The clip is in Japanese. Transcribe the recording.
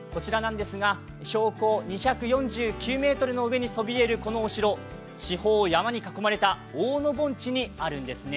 標高２４９ｍの上にそびえるこのお城、四方を山に囲まれた大野盆地にあるんですね。